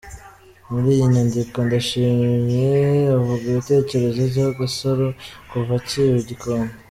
Muri iyo nyandiko Ndashimye avuga ibitekerezo aziho Gasore kuva akiba i Gikondo.